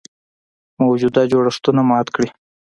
موجوده جوړښتونه مات کړي.